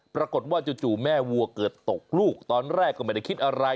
ปรากฏว่าจู่แม่วัวเกิดตกลูกตอนแรกก็ไม่ได้คิดอะไร